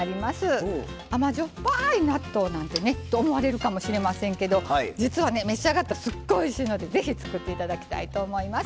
甘じょっぱい納豆なんてねと思われるかもしれませんけど実はね召し上がったらすっごいおいしいのでぜひ作って頂きたいと思います。